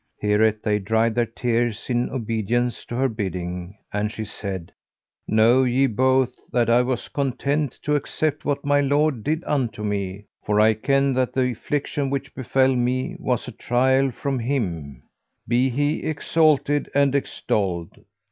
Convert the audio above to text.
Hereat they dried their tears in obedience to her bidding, and she said, "Know ye both that I was content to accept what my Lord did unto me, for I kenned that the affliction which befel me was a trial from Him (be He exalted and extolled!)